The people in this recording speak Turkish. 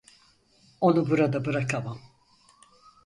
Onu burada bırakamam.